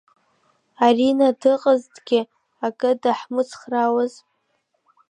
Арина дыҟазҭгьы, акы дааҳмыцхраауаз…